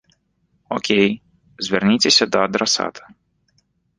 Окей, звярніцеся да адрасата.